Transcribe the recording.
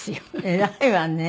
偉いわね。